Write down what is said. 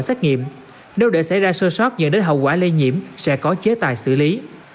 xét nghiệm nếu để xảy ra sơ sót dẫn đến hậu quả lây nhiễm sẽ có chế tài xử lý